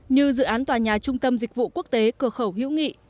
như dự án tòa nhà trung tâm dịch vụ quốc tế cửa khẩu hữu nghị